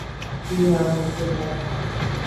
جی ہاں ممکن ہے ۔